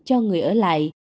cho người ở lại